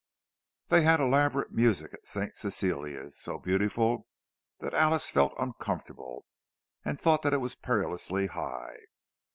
They had elaborate music at St. Cecilia's, so beautiful that Alice felt uncomfortable, and thought that it was perilously "high."